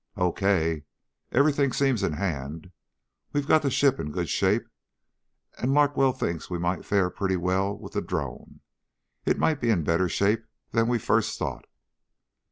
"Okay, everything seems in hand. We've got the ship in good shape and Larkwell thinks we might fare pretty well with the drone. It might be in better shape than we first thought."